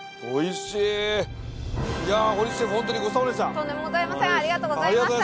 おいしい！